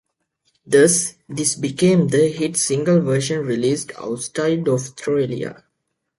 Thus, this became the hit single version released outside Australia.